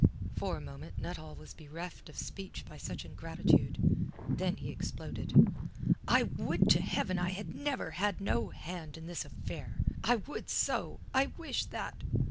For a moment Nuttall was bereft of speech by such ingratitude. Then he exploded. "I would to Heaven I had never had no hand in this affair. I would so! I wish that...."